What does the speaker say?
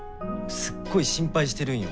すっごい心配してるんよ